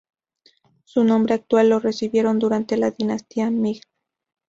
Su nombre actual lo recibieron durante la dinastía Ming.